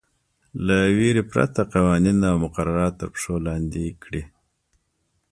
له وېرې پرته قوانین او مقررات تر پښو لاندې کړي.